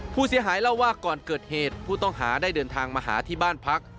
ผู้เสียหายเล่าว่าก่อนเกิดเหตุผู้ต้องหาได้เดินทางมาหาที่บ้านพัก